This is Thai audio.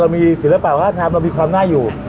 มีศิลปะวัฒนธรรมเรามีความน่าอยู่